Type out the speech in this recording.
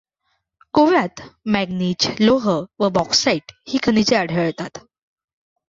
गोव्यात मॅगनीज, लोह व बॅाक्साईट ही खनिजे आढळतात.